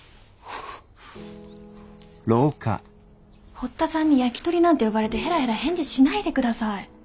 堀田さんにヤキトリなんて呼ばれてヘラヘラ返事しないでください。